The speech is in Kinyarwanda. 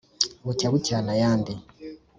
Bucya bucyana ayandi.